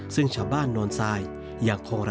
ซึ่งชาบ้านโน้นสาย